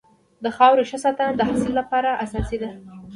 د خاورې ښه ساتنه د حاصل لپاره اساسي ده.